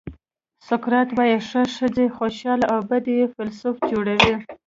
سقراط وایي ښه ښځه خوشالي او بده یې فیلسوف جوړوي.